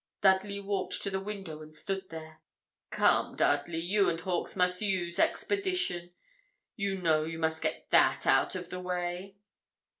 Dudley walked to the window and stood there. 'Come, Dudley, you and Hawkes must use expedition. You know you must get that out of the way.'